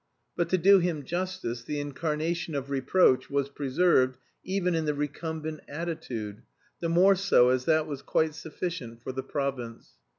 But, to do him justice, the "incarnation of reproach" was preserved even in the recumbent attitude, the more so as that was quite sufficient for the province.